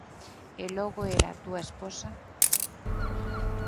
E logo era a túa esposa.